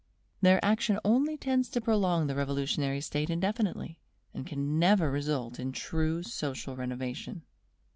Their action only tends to prolong the revolutionary state indefinitely, and can never result in true social renovation.